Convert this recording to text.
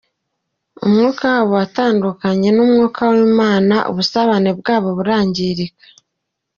Umwuka wabo watandukanye n’Umwuka w’Imana, ubusabane bwabo burangirika.